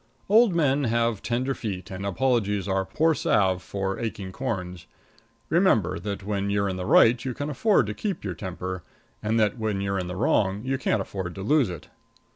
Old men have tender feet, and apologies are poor salve for aching corns. Remember that when you're in the right you can afford to keep your temper, and that when you're in the wrong you can't afford to lose it.